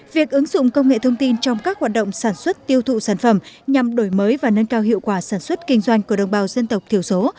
việc ứng dụng công nghệ thông tin trong các hoạt động sản xuất tiêu thụ sản phẩm nhằm đổi mới và nâng cao hiệu quả sản xuất kinh doanh của đồng bào dân tộc thiểu số